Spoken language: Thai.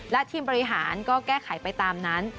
และทีมบริหารก็แก้ไขไปตามนั้น